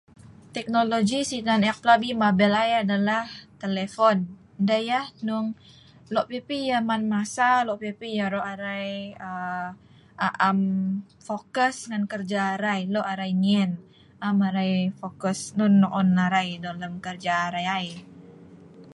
Telephone am prap mrai arai fokus arok kerja arai, lok masa arai madei nal anok lem yah. Mabel tam.